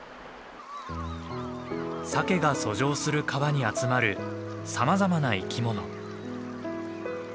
サケが遡上する川に集まるさまざまな生き物。